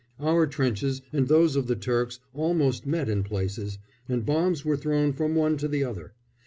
Our trenches and those of the Turks almost met in places, and bombs were thrown from one to the other.